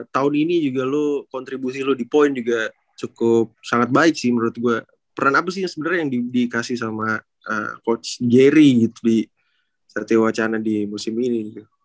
tahun ini juga lo kontribusi lo di point juga cukup sangat baik sih menurut gue peran apa sih sebenarnya yang dikasih sama coach jerry gitu di sertiwacana di musim ini